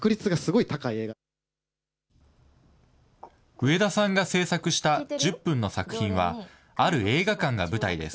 上田さんが製作した１０分の作品は、ある映画館が舞台です。